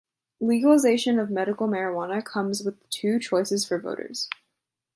Legalization of medical marijuana comes with two choices for voters.